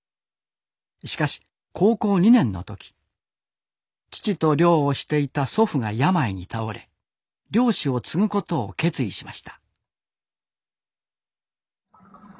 しかし高校２年の時父と漁をしていた祖父が病に倒れ漁師を継ぐことを決意しました。